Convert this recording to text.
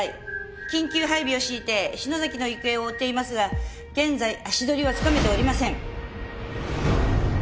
緊急配備を敷いて篠崎の行方を追っていますが現在足取りはつかめておりません。